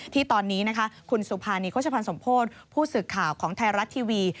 ที่ตอนนี้คุณสุภานีโคชภัณฑ์สมโภตผู้ศึกข่าวของไทยรัตน์ทีวี